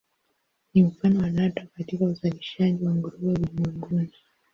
Ni mfano wa nadra katika uzalishaji wa nguruwe ulimwenguni.